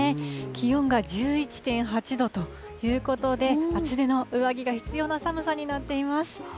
気温が１１．８度ということで、厚手の上着が必要な寒さになっています。